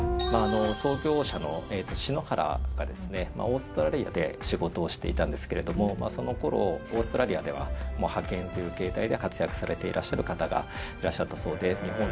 オーストラリアで仕事をしていたんですけれどもその頃オーストラリアでは派遣という形態で活躍されていらっしゃる方がいらっしゃったそうで。